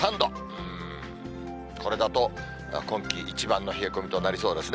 うーん、これだと、今季一番の冷え込みとなりそうですね。